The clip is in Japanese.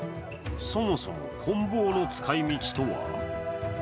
そもそもこん棒の使い道とは？